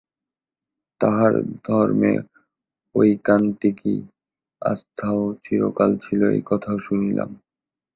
তাঁহার ধর্মে ঐকান্তিকী আস্থাও চিরকাল ছিল, এ কথাও শুনিলাম।